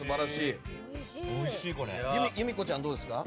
由美子ちゃん、どうですか？